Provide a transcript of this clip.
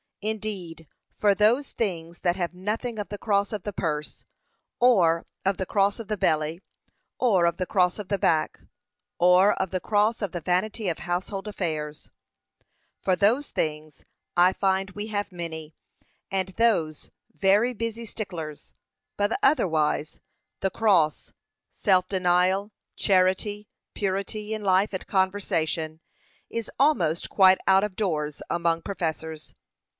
Indeed, for those things that have nothing of the cross of the purse, or of the cross of the belly, or of the cross of the back, or of the cross of the vanity of household affairs; for those things, I find we have many, and those, very busy sticklers; but otherwise, the cross, self denial, charity, purity in life and conversation, is almost quite out of doors among professors.